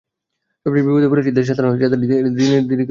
সবচেয়ে বিপদে পড়েছে দেশের সাধারণ মানুষ, যাদের দিন এনে দিনে খেতে হয়।